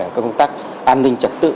các công tác an ninh trật tự